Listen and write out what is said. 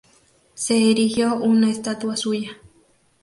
Se erigió una estatua suya.